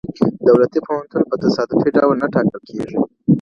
دولتي پوهنتون په تصادفي ډول نه ټاکل کیږي.